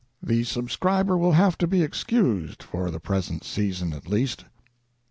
The subscriber will have to be excused, for the present season, at least."